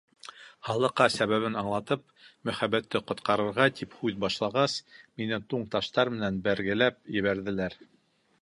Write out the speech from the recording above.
Халыҡҡа сәбәбен аңлатып, Мөхәббәтте ҡотҡарырға, тип һүҙ башлағас, мине туң таштар менән бәргеләп ебәрҙеләр.